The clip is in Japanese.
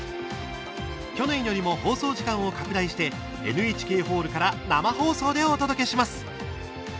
去年よりも放送時間を拡大してＮＨＫホールから生放送でお届けします。